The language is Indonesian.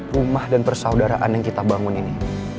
rumah dan persaudaraan yang kita bangun ini